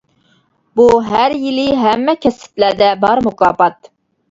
بۇ ھەر يىلى، ھەممە كەسىپلەردە بار مۇكاپات.